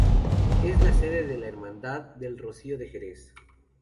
Es la sede de la Hermandad del Rocío de Jerez.